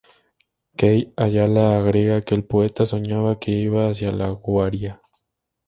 Key Ayala agrega que el poeta soñaba que iba hacia La Guaira.